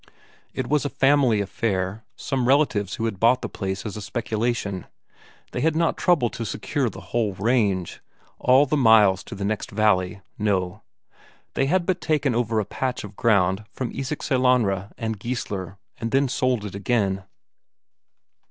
It was a family affair, some relatives who had bought the place as a speculation; they had not troubled to secure the whole range, all the miles to the next valley, no; they had but taken over a patch of ground from Isak Sellanraa and Geissler, and then sold it again.